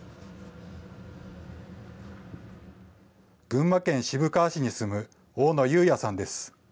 群馬県渋川市に住む大野雄哉さんです。